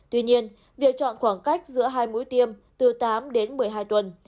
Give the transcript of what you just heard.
tuy nhiên việc chọn khoảng cách giữa hai mũi tiêm từ tám đến một mươi hai tuần